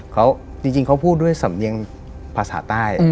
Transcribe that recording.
เขาจริงเขาพูดด้วยสำเนียงภาษาใต้